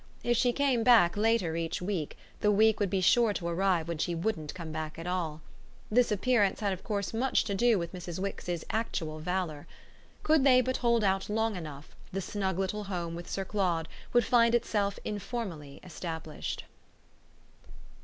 If she came back later each week the week would be sure to arrive when she wouldn't come back at all. This appearance had of course much to do with Mrs. Wix's actual valour. Could they but hold out long enough the snug little home with Sir Claude would find itself informally established.